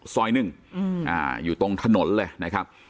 ซอยหนึ่งอยู่ตรงถนนเลยนะครับ